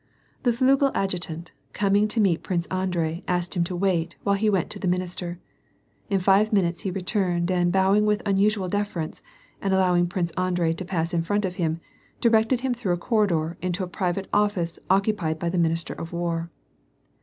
The FliigeT adjutant, coming to meet Prince Andrei asked him to wait, while he went to the minister. In live minutes he returned and bowing with unusual deference, and allowing Prince Andrei to pass in front of him, directed him through a corridor into a private office occupied by the minister of war.